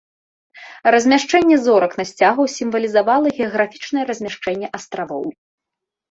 Размяшчэнне зорак на сцягу сімвалізавала геаграфічнае размяшчэнне астравоў.